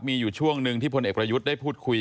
มีอยู่ช่วงหนึ่งที่พลเอกประยุทธ์ได้พูดคุย